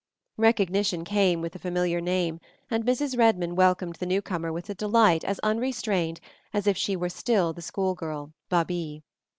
Recognition came with the familiar name, and Mrs. Redmond welcomed the newcomer with a delight as unrestrained as if she were still the schoolgirl, Babie.